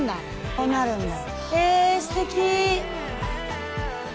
こうなるんだ。